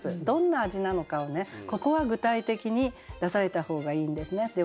どんな味なのかをここは具体的に出された方がいいんですね。